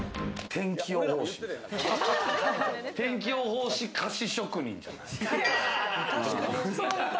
天気予報士、菓子職人じゃない？